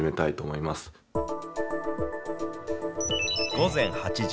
午前８時。